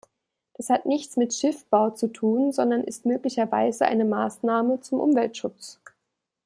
Das hat nichts mit Schiffbau zu tun, sondern ist möglicherweise eine Maßnahme zum Umweltschutz.